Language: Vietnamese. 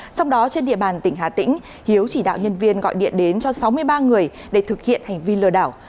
trong đó trên địa bàn tỉnh hà tĩnh hiếu chỉ đạo nhân viên gọi điện đến cho sáu mươi ba người để thực hiện hành vi lừa đảo